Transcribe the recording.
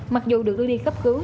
mặc dù được đưa đi khắp cứu